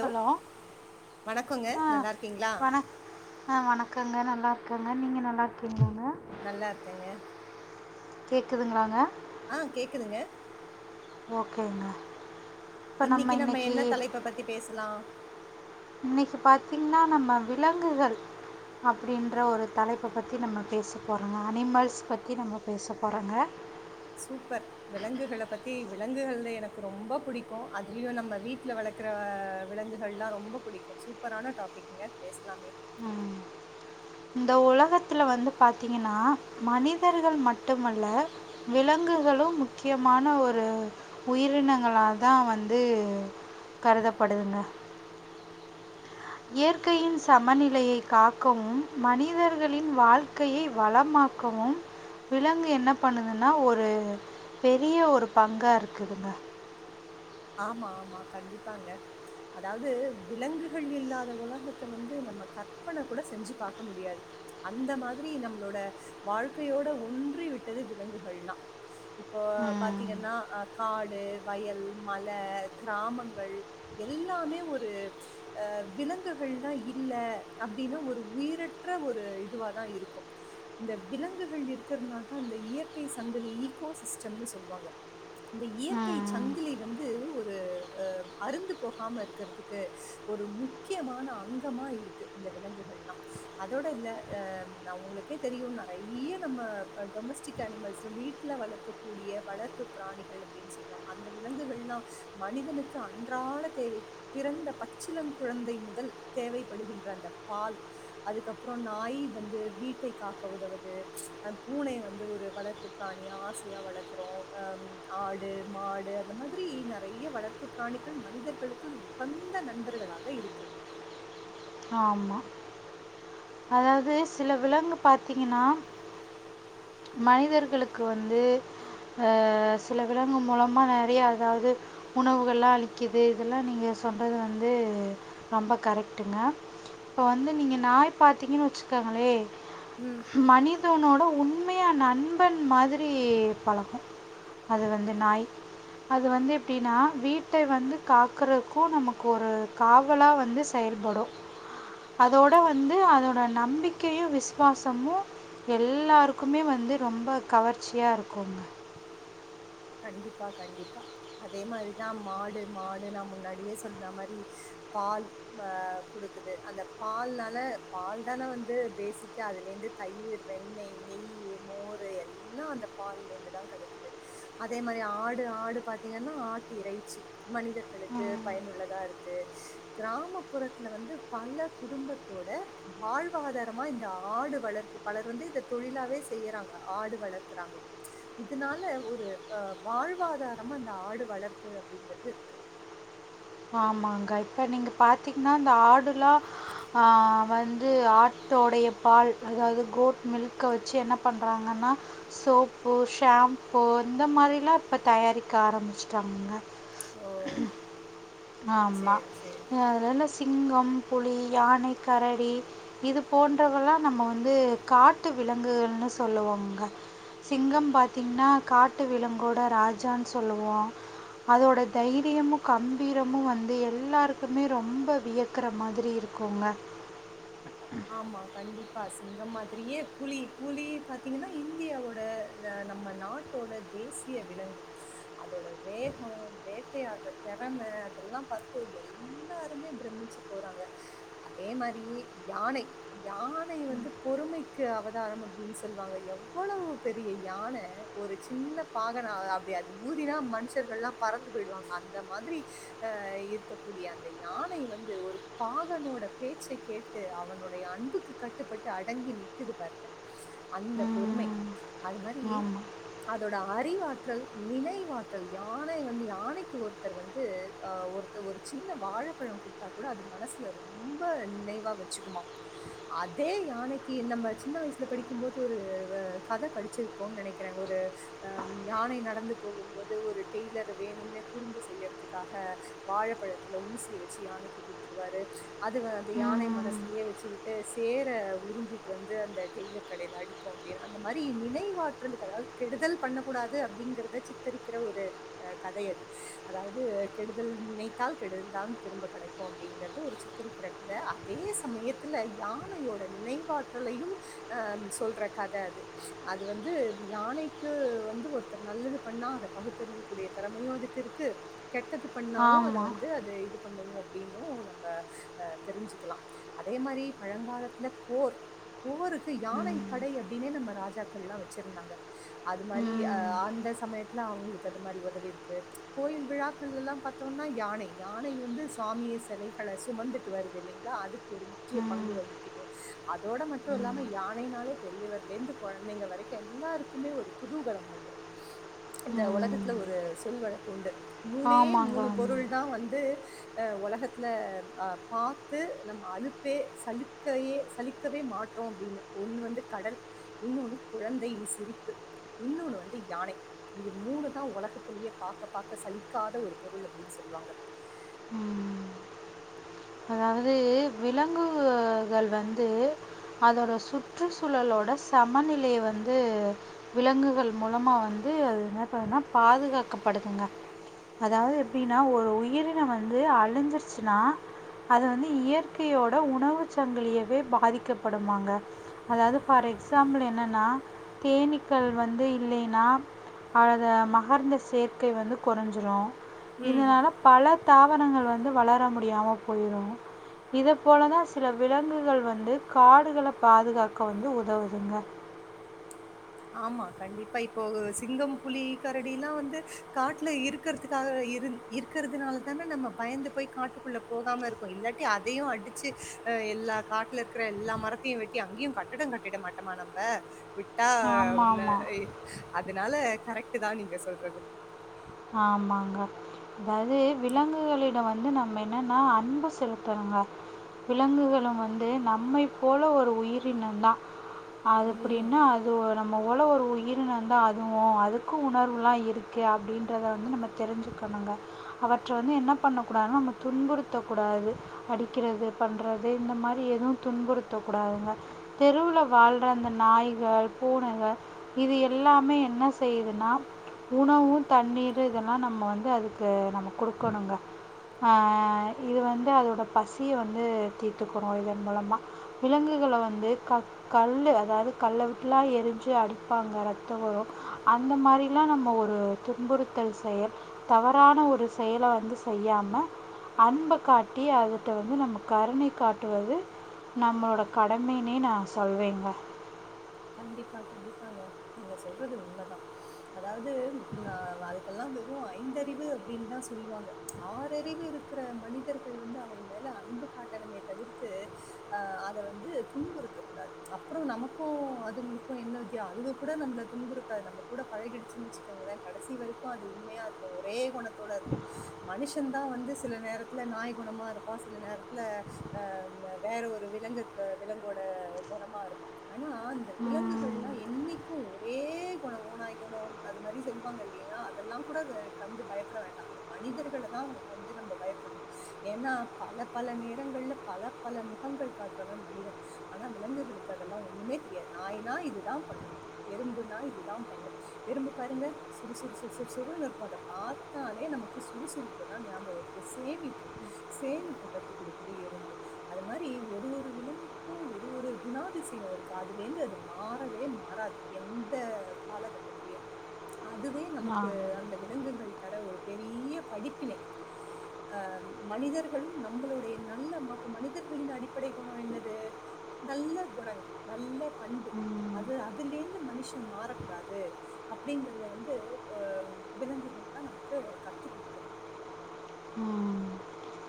Hello வணக்கங்க. ஆ நல்லா இருக்கீங்களா? வண ஆ வணக்கங்க நல்லா இரு இருக்கேங்க நீங்க நல்லா இருக்கீங்களாங்க நல்லா இருக்கேங்க கேக்குதுங்களாங்க ஆ கேக்குதுங்க ஓகேங்க இப்போ இன்னைக்கி நம்ம இன்னைக்கு என்ன தலைப்ப பத்தி பேசலா இன்னைக்கு பாத்தீங்கன்னா நம்ம விலங்குகள் அப்டின்ற ஒரு தலைப்பை பத்தி நம்ம பேச போறோ அனிமல்ஸ் பத்தி நம்ம பேச போறோங்க சூப்பர். விலங்குகள பத்தி விலங்குகள்ல எனக்கு ரொம்ப புடிக்கு அதுலயு நம்ம வீட்ல வளர்க்கற விலங்குகள்லா ரொம்ப பிடிக்கு சூப்பரான டாபிக்ங்க பேசலாமே உ இந்த உலகத்துல வந்து பாத்தீங்கன்னா மனிதர்கள் மட்டுமல்ல விலங்குகளு முக்கியமான ஒரு உயிரினங்களாதா வந்து கருதப்படுதுங்க இயற்கையி சமநிலையை காக்கவு மனிதர்களின் வாழ்க்கையை வளமாக்கவு விலங்கு என்ன பண்ணுதுன்னா ஒரு பெரிய ஒரு பங்கா இருக்குதுங்க ஆமா ஆமா கண்டிப்பாங்க அதாவது விலங்குகள் இல்லாத உலகத்த வந்து நம்ம கற்பன கூட செஞ்சு பாக்க முடியாது அந்த மாதிரி நம்மளோட வாழ்க்கையோட ஒன்றி விட்டது விலங்குகள்லா இப்போ ம் பாத்தீங்கன்னா ஆ காட் டு வயல் மல கிராமங்கள் எல்லாமே ஒரு ஆ விலங்குகள் தா இல்ல அப்டின்னா ஒரு உயிரற்ற ஒரு இதுவா தா இருக்கு இந்த விலங்குகள் இருக்கிறதுனால தா இந்த இயற்கை சங்கலி ஈகோ சிஸ்டம்னு சொல்லுவாங்க இந்த இயற்கை ம் சங்க சங்கிலி வந்து ஒரு ஆ அருந்து போகாம இருக்கிறதுக்கு ஒரு முக்கியமான அங்கமா இருக்கு இந்த விலங்குகள்லா அதோட இல்ல ஆ நா ஒங்களுக்கே தெரியு நறையா நம்ம டொமஸ்டிக் அனிமல்ஸ் வீட்டுல வளர்க்கக்கூடிய வளர்ப்பு பிராணிகள் அப்டின்னு சொல்லுவாங்க அ அந்த விலங்குகள்லா மனிதனுக்கு அன்றாட தேவை பிறந்த பச்சிளம் குழந்தை முதல் தேவைப்படுகின்ற அந்த பால் அதுக்கப்புறோ நாய் வந்து வீட்டை காக்க உதவது அ பூனை வந்து ஒரு வளர்ப்பு பிராணியா ஆசையா வளர்க்குறோ ஆ ஆடு மாடு அந்த மாதிரி நறையா வளர்ப்பு பிராணிகள் மனிதர்களுக்கு உகந்த நண்பர்களாக இருக்கு ஆமா அதாவது சில விலங்கு பாத்தீங்கன்னா மனிதர்களுக்கு வந்து ஆ சில விலங்கு மூலமா நறையா அதாவது உணவுகள்லா அளிக்குது இதெல்லா நீங்க சொல்றது வந்து ரொம்ப கரெக்ட்ங்க இப்ப வந்து நீங்க நாய் பார்த்தீங்கன்னு வச்சுக்கங்களே ம் மனி மனிதனோட உண்மையா நண்பன் மாதிரி பழகு அது வந்து நாய் அது வந்து எப்படின்னா வீட்டை வந்து காக்கறதுக்கு நமக்கு ஒரு காவலா வந்து செயல்படு அதோட வந்து அதோட நம்பிக்கையு விசுவாசமு எல்லாருக்குமே வந்து ரொம்ப கவர்ச்சியா இருக்குங்க கண்டிப்பா கண்டிப்பா அதே மாரிதா மாடு மாடு நா முன்னாடியே சொல்ற மாரி பால் ஆ குடுக்குது அந்த பால்னால பால் தான வந்து பேசிக்கா அதுல இருந்து தயிர் வெண்ணெய் நெய் மோரு எல்லா அந்த பால்ல இருந்துதா கடைக்குது அதே மாரி ஆடு ஆடு பாத்தீங்கன்னா ஆட்டு இறைச்சி மனிதர்களுக்கு ம். பயனுள்ளதா இருக்கு கிராமப்புறத்துல வந்து பல குடும்பத்தோட வாழ்வாதாரமா இந்த ஆடு வளர்ப்பு பலர் வந்து இத தொழிலாவே செய்யறாங்க ஆடு வளர்க்குறாங்க இதனால ஒரு அ வாழ்வாதாரமா இந்த ஆடு வளர்ப்பு அப்டிங்ககுறது இருக்கு ஆமாங்க இப்ப நீங்க பாத்தீங்னா இந்த ஆடெலா ஆ வந்து ஆட்டோடய பால் அதாவது கோட் மில்க்க வச்சு என்ன பண்ணறாங்கனா சோப்பு ஷாம்பூ இந்த மாதிரிலா இப்ப தயாரிக்க ஆரம்பிச்சுட்டாங்கங்க ஓ உம் ஆமா சேரி சேரி அதுல சிங்கம் புளி யானை கரடி இது போன்றதெல்லா நம்ம வந்து காட்டு விலங்குகள்னு சொல்லுவோங்க சிங்கம் பாத்தீங்கனா காட்டு விலங்கோட ராஜான்னு சொல்லுவோம அதோட தைரியமு கம் வீரமு வந்து எல்லாருக்குமே ரொம்ப வியக்கற மாரி இருக்குங்க ஆமா கண்டிப்பா கண்டிப்பா சிங்கம் மாதிரியே புலி புலி பாத்தீங்கனா இந்தியாவோட ஆ நம்ம நாட்டோட தேசிய விலங்கு அதோட வேகோ வேட்டையாடுற தெறம அதெல்லா பாத்து எல்லாருமே பிரமிச்சு போறாங்க அதே மாரி யானை யானை வந்து பொறுமைக்கு அவதாரம் அப்டின்னு சொல்லுவாங்க எவ்வளவு பெரிய யான ஒரு சின்ன பாகன அப்டியது ஊதினா மனுஷர்கள்லா பறந்து போயிடுவாங்க அந்த மாதிரி ஆ இருக்ககூடிய அந்த யானே வந்து ஒரு பாகனோட பேச்சை கேட் கேட்டு அவனுடைய அன்புக்கு கட்டுப்பட்டு அடங்கி நிக்குது பாருங்க அந்த பொறுமை ம். அது மாதிரி ஆமா. அதோட அறிவாற்றல் நினைவாற்றல் யான வந்து யானைக்கு ஒருத்தர் வந்து ஒரு ஒரு சின்ன வாழப்பழ குடுத்தா கூட அது மனஸ்ல ரொம்ப நினைவா வச்சு சும்மா அதே யானைக்கு நம்ம சின்ன வயசுல படிக்கும்போது ஒரு கத படிச்சிருப்போம்னு நெனக்குறே ஒரு அ யானை நடந்து போகும் போது ஒரு டெய்லர் வேணும்னே குறும்பு செய்யறதுக்காக வாழப்பழத்ல ஊசிய வச்சு யானைக்கு குடுத்துருவாரு அது அந்த யானை மனசு ம். வச்சுக்கிட்டு சேர உறிஞ்சிட்டு வந்து அந்த டெய்லர் கடயில அடிக்கு அப்டின் அந்த மாரி நினைவாற்றலுக்கு அதாவது கெடுதல் பண்ணக்கூடாது அப்டிங்கறத சித்தரிக்கிற ஒரு கதை அது அதாவது கெடுதல் நினைத்தால் கெடுதல் தான் திரும்ப கெடைக்கு அப்டிங்கறது ஒரு சித்தரிக்கிற கதை அதே சமயத்துல யானையோட நினைவாற்றலையும் அ சொல்ற கத அது அது வந்து யானைக்கு வந்து ஒருத்தர் நல்லது பண்ணா அத பகுத்தறியக்கூடிய திறமையு அதுக்கு இருக்கு கெட்டது பண்ணாலு அது ஆமா. வந்து அது இது பண்ணுவோ அப்பிடனு நம்ம ஆ தெரிஞ்சுக்கலா அதே மாரி பழங்காலத்ல போர் போருக்கு யானை ம். படை அப்டின்னே நம்ம ராஜாக்கல்லா வச்சுருந்தாங்க அது மாரி அ ம். அந்த சமயத்ல அவுங்களுக்கு அது மாரி உதவி இருக்கு கோயில் விழாக்கள் எல்லா பாத்தோம்னா யானை யானை வந்து சுவாமிய செலைகளை சுமந்துட்டு வருது இல்லைங்ளா அது ஒரு முக்கிய பங்கு ம். வகிக்குது அதோட மட்டு ம். இல்லாம யானைனாலே பெரியவர்ல இருந்து கொழந்தைங்க வரைக்கு எல்லாருக்குமே ஒரு குதூகலம் வந்துரு இந்த ம். ஒலகத்துல ஒரு சொல் வழக்கு உண்டு மூனே ஆமாங்க, மூனு ஆமா. பொருள்தா வந்து அ ஒலகத்ல அ பாத்து நம்ம அழுப்பே சலுக்கவே சலிக்கவே மாட்டோ அப்டின்னு ஒன்னு வந்து கடல் இன்னோன்னு குழந்தையின் சிரிப்பு இன்னொன்னு வந்து யானை இது மூனுதா உலகத்திலேயே பாக்க பாக்க சலிக்காத ஒரு பொருள் அப்டின்னு சொல்லுவாங்க ம். அதாவது விலங்குகள் வந்து அதோட சுற்றுச்சூழலோட சமநிலய வந்து விலங்குகள் மூலமாக வந்து அது என்ன பன்னோனா பாதுகாக்கப்படுதுங்க அதாவது எப்டின்னா ஒரு உயிரின வந்து அழுஞ்சிருச்னா அது வந்து இயற்கையோட உணவு சங்கிலியவே பாதிக்கப்படுமாங்க அதாவது ஃபார் எக்ஸாம்பிள் என்னன்னா தேனீக்கள் வந்து இல்லைன்னா அத மகரந்த சேர்க்கை வந்து கொறஞ்சுரு ம் இதனால பல தாவரங்கள் வந்து வளர முடியாமல் போயிரு இத போலதா சில விலங்குகள் வந்து காடுகள பாதுகாக்க வந்து உதவுதுங்க ஆமா கண்டிப்பா இப்போ சிங்கம் புலி கரடி எல்லா வந்து காட்ல இருக்குறதுக்காக இரு இருக்குறதுனால தான நம்ம பயந்து போய் காட்டுக்குள்ள போகாம இருக்கோ இல்லாட்டி அதயு அடிச்சு அ எல்லா காட்ல இருக்ற எல்லா மரத்தையு வெட்டி அங்கேயு கட்டடோ கட்டிட மாட்டோமா நம்ம ஆ ஆமாம் ஆமாம் அதனால கரெக்ட் ட்டு தா நீங்க சொல்றது ஆமாங்க அதாவது விலங்குகளிடம் வந்து வந்து நம்ம என்னன்னா அன்பு செலுத்துங்க விலங்குகளு வந்து நம்மை போல ஒரு உயிரினம் தா அது ம் அப்டின்னா அதும் நம்ம போல ஒரு உயிரினந்தான்டா அதுவு அதுக்கு உணர்வுல்லா இருக்கு அப்டின்னு த வந்து நம்ம தெரிஞ்சுக்கணுங்க அவற்றை வந்து என்ன பண்ணக்கூடாதுன்னா நம்ம துன்புறுத்தக்கூடாது அடிக்கிறது பண்ணுறது இந்த மாரி எதுவு துன்புறுத்தக்கூடாதுங்க தெருவில வாழ்ற அந்த நாய்க பூனைக இது எல்லாமே என்ன செய்யுதுன்னா உணவு தண்ணீர் இதெல்லா நம்ம வந்து அதுக்கு நம்ம கொடுக்கணுங்க ஆ இது வந்து அதோடய பசிய வந்து தீர்த்துக்கணோ இதன் மூலமா விலங்குகளை வந்து க கல் அதாவது கல் விட்டுலா எரிஞ்சு அடிப்பாங்க ரத்தம் உரு அந்த மாரிலா நம்ம ஒரு துன்புறுத்தல் செயல் தவறான ஒரு செயல வந்து செய்யாம அன்ப காட்டி அதிட்ட வந்து நம்ம கருண காட்டுவது நம்மளோட கடமைனே நா சொல்வேங்க கண்டிப்பா கண்டிப்பாங்க நீங்க சொல்றது உண்மதா அதாவது ந வா எல்லா வெறு ஐந்தறிவு அப்டின்னு தா சொல்லுவாங்க ஆறறிவு இருக்கிற மனிதர்கள் வந்து அவை மேல அன்பு காட்டணமே தவிர்த்து அ அத வந்து துன்புறுத்த கூடாது அப்புறோ நமக்கு அதுங்களுக்கு என்ன வித்யா அதுக கூட நம்ம துன்புறுத்தாது நம்ம கூட பழகிடுச்சு வச்சுக்கோங்களே கடைசி வரைக்கு அது உண்மையா இருக்கு ஒரே குணத்தோட இருக்கு மனுஷன் தா வந்து சில நேரத்துல நாய் குணமா இருப்பா சில நேரத்துல வேற ஒரு விலங்கு விலங்கோட குணமா இருப்பா ஆனாந்த விலங்குகள்ல்லா என்னைக்கு ஒரே குண ஓனாய் குணோ அது மாரி சொல்லுவாங்க இல்லன்னா அதெல்லா கூட கண்டு பயப்பட வேண்டா இந்த மனிதர்கள தா கண்டு நம்ம பயப்படணு ஏன்னா பல பல நேரங்கள்ல பல பல முகங்கள் காட்டுறவே மனிதன் ஆனா விலங்குகளுக்கு அதெல்லா ஒண்ணுமே தெரியாது நாய்னா இதுதா பண்ணு எறும்புனா இதுதா பண்ணு எறும்பு பாருங்க சுறுசுறு சுறுசுருனு இருக்கு அத பாத்தாலே நமக்கு சுறுசுறுப்பு தா ஞாபகோ வருது சேமிப்பு சேமிப்பு கத்து கொடுக்குது எறும்பு அது மாரி ஒரு ஒரு விலங்குக்கு ஒரு ஒரு குணாதிசயோ இருக்கு அதுலேந்து அது மாறவே மாறாது எந்த காலகட்டத்திலயு அதுவே நான் நமக்கு அந்த விலங்குகள் தர ஒரு பெரிய படிப்பினை அ மனிதர்களு நம்மளுடைய நல்ல மனிதர்களின் அடிப்படை குணம் என்னது நல்ல குணங்கள் நல்ல பண்பு அது அதுல இருந்து மனுஷன் மாறக்கூடாது அப்டிங்கறத வந்து அ விலங்குகள்ல்லா நமக்கு கத்து கொடுக்குது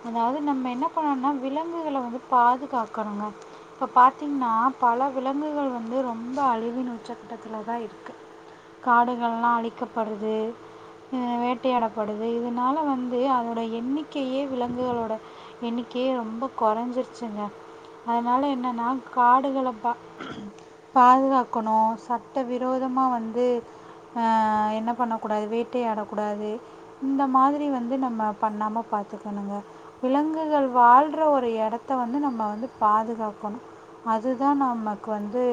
அதாவது நம்ம என்ன பண்ணோம்னா விலங்குகள வந்து பாதுகாக்கணுங்க இப்ப பாத்தீங்கன்னா பல விலங்குகள் வந்து ரொம்ப அழிவின் உச்சக்கட்டத்துல தா இருக்கு காடுகள்லா அழிக்கப்படுது வேட்டையாடப்படுது இதனால வந்து அதோட எண்ணிக்கையே விலங்குகளோட எண்ணிக்கையே ரொம்ப குறைஞ்சிருச்சுங்க அதனால என்னன்னா காடுகள பாதுகாக்கணு சட்ட விரோதமா வந்து என்ன பண்ணக்கூடாது வேட்டையாடக்கூடாது இந்த மாதிரி வந்து நம்ம பண்ணாம பாத் கத்துக்கணுங்க விலங்குகள் வாழ்ற ஒரு எடத்த வந்து நம்ம வந்து பாதுகாக்கணு அதுதா நமக்கு வந்து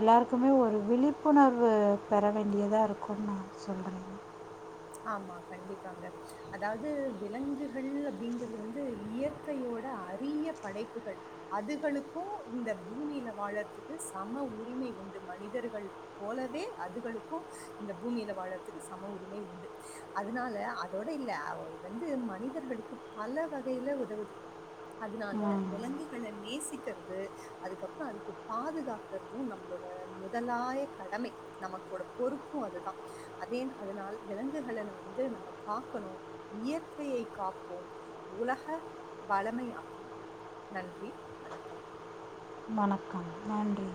எல்லாருக்குமே ஒரு விழிப்புணர்வு பெற வேண்டியதா இருக்கும்னு நா சொல்றே ஆமா கண்டிப்பாங்க அதாவது விலங்குகள் அப்டிங்கிறது வந்து இயற்கையோட அரிய படைப்புகள் அதுகளுக்கு இந்த பூமியில வாழறதுக்கு சம உரிமை உண்டு மனிதர்கள் போலவே அதுகளுக்கு இந்த பூமியில வாழறதுக்கு சம உரிமை உண்டு அதனால அதோட இல்ல வந்து மனிதர்களுக்கு பல வகையில உதவுது அதனால விலங்குகள நேசிக்கிறது அதுக்கப்புறோ அதுக்கு பாதுகாக்கறது நம்மளோட முதலாய கடமை நமக்கோட பொறுப்பு அதுதா அதே அதனால விலங்கு ங்குகள வந்து நம்ம காக்கணு இயற்கையை காப்போ உலக வளமையாக்குவோ நன்றி வணக்கம் வணக்கம் நன்றி